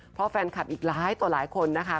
เพราะแฟนคลับอีกหลายต่อหลายคนนะคะ